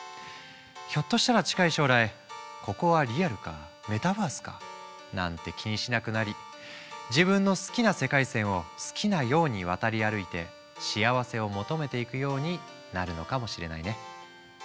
ひょっとしたら近い将来ここはリアルかメタバースかなんて気にしなくなり自分の好きな世界線を好きなように渡り歩いて幸せを求めていくようになるのかもしれないね。